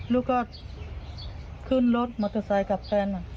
ลูกก็ขึ้นรถมอเตอร์ไซค์กับแฟน